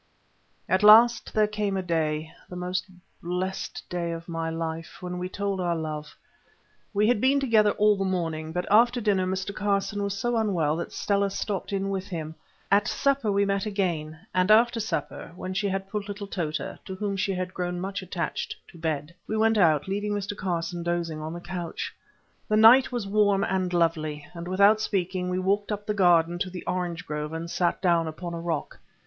At last there came a day—the most blessed of my life, when we told our love. We had been together all the morning, but after dinner Mr. Carson was so unwell that Stella stopped in with him. At supper we met again, and after supper, when she had put little Tota, to whom she had grown much attached, to bed, we went out, leaving Mr. Carson dozing on the couch. The night was warm and lovely, and without speaking we walked up the garden to the orange grove and sat down upon a rock.